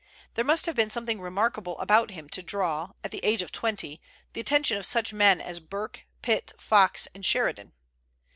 There must have been something remarkable about him to draw, at the age of twenty, the attention of such men as Burke, Pitt, Fox, and Sheridan.